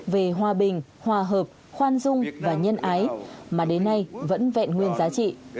về hòa bình hòa hợp khoan dung và nhân ái mà đến nay vẫn vẹn nguyên giá trị